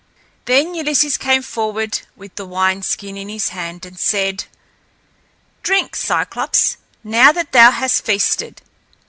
Then Ulysses came forward with the wine skin in his hand and said: "Drink, Cyclops, now that thou hast feasted.